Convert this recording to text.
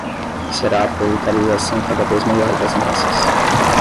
será a proletarização cada vez maior das massas